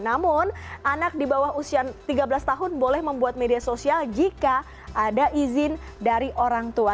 namun anak di bawah usia tiga belas tahun boleh membuat media sosial jika ada izin dari orang tua